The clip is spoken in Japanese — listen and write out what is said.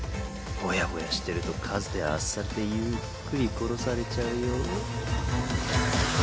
ぼやぼやしてると数で圧されてゆっくり殺されちゃうよ。